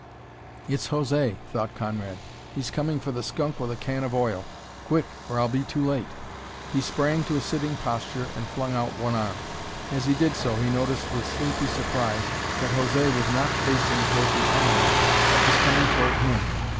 "It's José," thought Conrad. "He's coming for the skunk with a can of oil. Quick, or I'll be too late!" He sprang to a sitting posture and flung out one arm. As he did so he noticed with sleepy surprise that José was not facing toward the animal but was coming toward him.